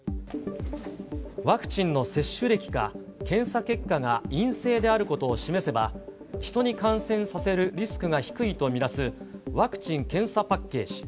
ワクチンの接種歴か、検査結果が陰性であることを示せば、人に感染させるリスクが低いと見なす、ワクチン・検査パッケージ。